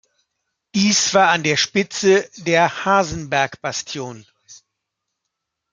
Dies war an der Spitze der "Hasenberg-Bastion".